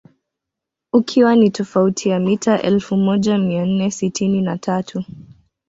Ukiwa ni tofauti ya mita elfu moja mia nne sitini na tatu